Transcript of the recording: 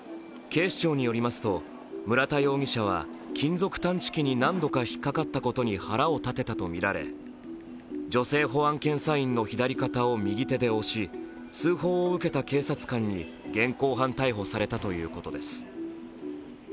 警視庁によりますと、村田容疑者は金属探知機に何度か引っ掛かったことに腹を立てたとみられ女性保安検査員の左肩を右手で押し通報を受けた警察官に現行犯逮捕されたということです。